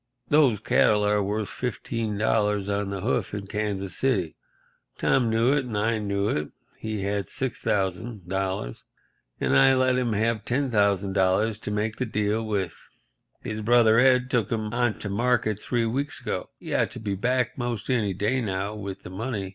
Those cattle are worth $15 on the hoof in Kansas City. Tom knew it and I knew it. He had $6,000, and I let him have the $10,000 to make the deal with. His brother Ed took 'em on to market three weeks ago. He ought to be back 'most any day now with the money.